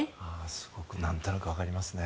すごくなんとなくわかりますね。